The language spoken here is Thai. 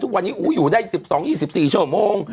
ทุกวันนี้อยู่ได้๑๒๒๔ชั่วโมง